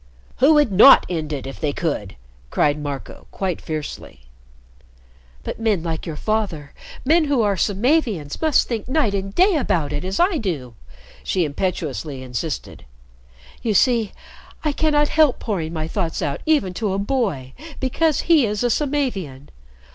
"Who would not end it if they could?" cried Marco, quite fiercely. "But men like your father, men who are Samavians, must think night and day about it as I do," she impetuously insisted. "You see, I cannot help pouring my thoughts out even to a boy because he is a Samavian.